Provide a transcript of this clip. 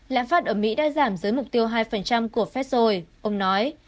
lãng phát ở mỹ đã giảm dưới mục tiêu hai của phép rồi ông nói